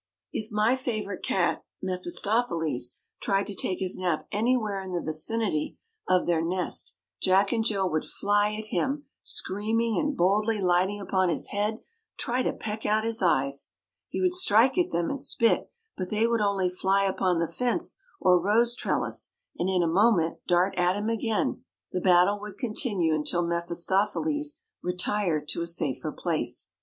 If my favorite cat, Mephistopheles, tried to take his nap anywhere in the vicinity of their nest Jack and Jill would fly at him, screaming, and, boldly lighting upon his head, try to peck at his eyes. He would strike at them and spit, but they would only fly upon the fence or rose trellis and in a moment dart at him again. The battle would continue until Mephistopheles retired to a safer place.